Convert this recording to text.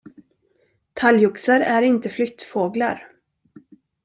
Talgoxar är inte flyttfåglar.